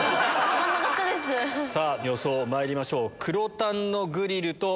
予想まいりましょう。